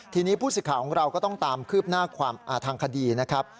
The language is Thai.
ทีนี้ผู้สิทธิ์ของเราก็ต้องตามคืบหน้าทางคดีนะครับ